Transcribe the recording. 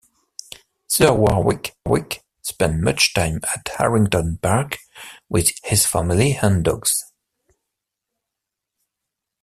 Sir Warwick spent much time at Harrington Park with his family and dogs.